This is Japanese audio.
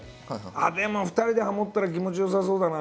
あっでも２人でハモったら気持ちよさそうだな。